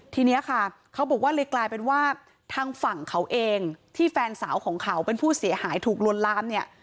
ทีนี้ค่ะเขาบอกว่าเลยกลายเป็นว่าทางฝั่งเขาเองที่แฟนสาวของเขาเป็นผู้เสียหายถูกลวนลามเนี่ย